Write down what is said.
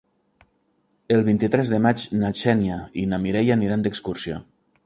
El vint-i-tres de maig na Xènia i na Mireia aniran d'excursió.